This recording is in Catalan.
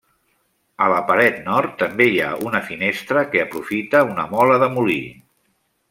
A la paret nord també hi ha una finestra que aprofita una mola de molí.